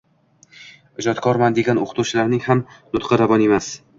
Ijodkorman degan o‘quvchilarning ham nutqi ravon emas